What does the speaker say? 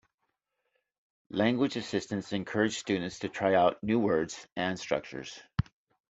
Language assistants encourage students to try out new words and structures.